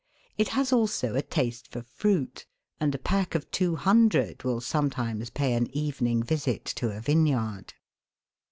It has also a taste for fruit, and a pack of two hundred will sometimes pay an evening visit to a vine yard.